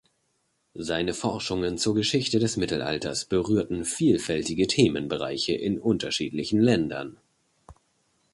Seine Forschungen zur Geschichte des Mittelalters berührten vielfältige Themenbereiche in unterschiedlichen Ländern.